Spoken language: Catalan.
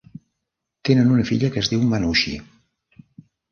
Tenen una filla que es diu Manushi.